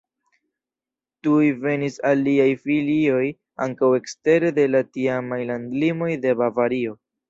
Tuj venis aliaj filioj ankaŭ ekstere de la tiamaj landlimoj de Bavario.